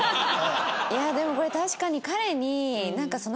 いやでもこれ確かに。